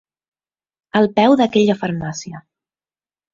Al peu d'aquella farmàcia.